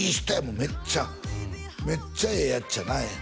めっちゃめっちゃええヤツやな